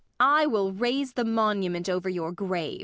] I will raise the monument over your grave.